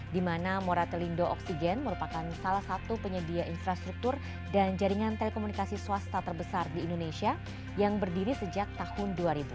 di mana moratelindo oksigen merupakan salah satu penyedia infrastruktur dan jaringan telekomunikasi swasta terbesar di indonesia yang berdiri sejak tahun dua ribu